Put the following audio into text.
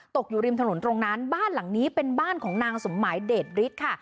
อยู่ริมถนนตรงนั้นบ้านหลังนี้เป็นบ้านของนางสมหมายเดชฤทธิ์ค่ะ